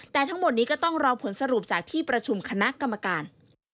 แต่ทั้งหมดนี้ก็ต้องรอผลสรุปจากที่ประชุมคณะกรรมการ